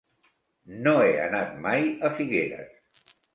No he anat mai a Figueres.